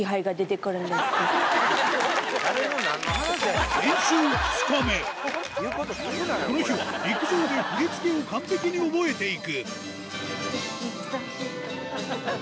この日は、陸上で振り付けを完璧に覚えていく。